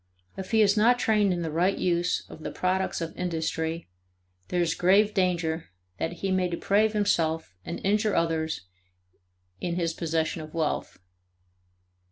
If he is not trained in the right use of the products of industry, there is grave danger that he may deprave himself and injure others in his possession of wealth.